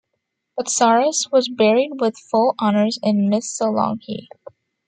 Botsaris was buried with full honors in Missolonghi.